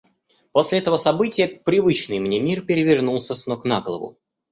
После этого события привычный мне мир перевернулся с ног на голову.